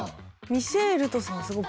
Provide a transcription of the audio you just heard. ミシェールトさんすごい。